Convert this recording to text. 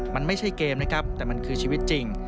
มันไม่ใช่เกมนะครับแต่มันคือชีวิตจริง